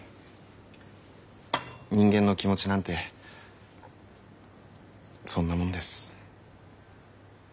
人間の気持ちなんてそんなもんです。